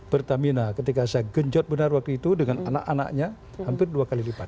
pertamina ketika saya genjot benar waktu itu dengan anak anaknya hampir dua kali lipat